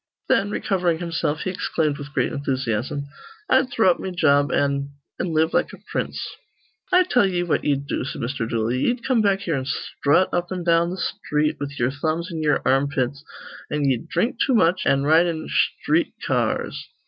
Then, recovering himself, he exclaimed with great enthusiasm, "I'd throw up me job an' an' live like a prince." "I tell ye what ye'd do," said Mr. Dooley. "Ye'd come back here an' sthrut up an' down th' sthreet with ye'er thumbs in ye'er armpits; an' ye'd dhrink too much, an' ride in sthreet ca ars.